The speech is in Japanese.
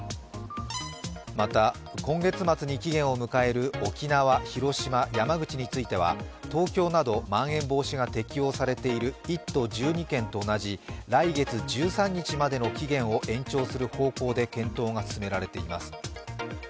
また、今月末に期限を迎える沖縄、広島、山口については東京などまん延防止が適用されている１都１２県と同じ来月１３日までの期限を延長する方向で検討が進められています。